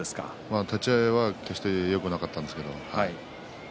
立ち合いは決してよくなかったんですが。